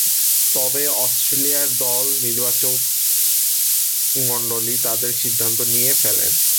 তবে, অস্ট্রেলিয়ার দল নির্বাচকমণ্ডলী তাদের সিদ্ধান্ত নিয়ে ফেলেন।